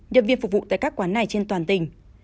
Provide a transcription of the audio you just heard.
điệp viên phục vụ tại các quán này trên toàn tỉnh